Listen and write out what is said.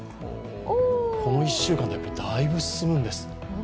この１週間でだいぶ進むんです。